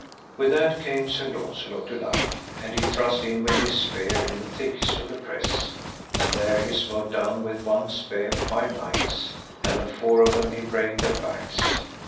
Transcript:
With that came Sir Launcelot du Lake, and he thrust in with his spear in the thickest of the press, and there he smote down with one spear five knights, and of four of them he brake their backs.